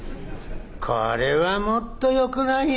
これはもっとよくないよ